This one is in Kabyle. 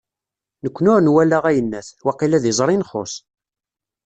Nekni ur nwala ayennat, waqila d iẓri i nxuṣ.